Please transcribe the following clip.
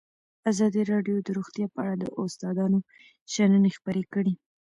ازادي راډیو د روغتیا په اړه د استادانو شننې خپرې کړي.